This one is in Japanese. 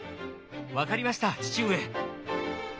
分かりました父上。